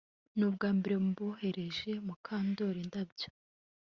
Ni ubwambere mboherereje Mukandoli indabyo